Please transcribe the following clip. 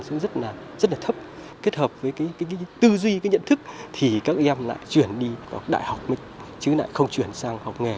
xuống rất là thấp kết hợp với cái tư duy cái nhận thức thì các em lại chuyển đi học đại học chứ lại không chuyển sang học nghề